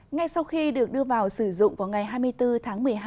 ngay sau khi được đưa vào sử dụng vào ngày hai mươi bốn tháng một mươi hai